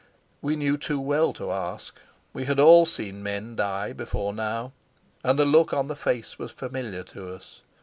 We knew too well to ask: we had all seen men die before now, and the look on the face was familiar to us.